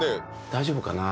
大丈夫かな？